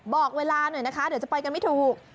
บอกเวลาหน่อยนะคะเดี๋ยวจะไปกันไม่ถูก